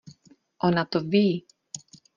Ona to ví!